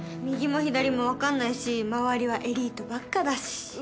右も左もわかんないし周りはエリートばっかだし。